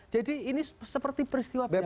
jadi ini seperti peristiwa biasa